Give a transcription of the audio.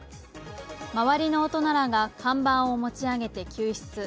周りの大人らが看板を持ち上げて救出。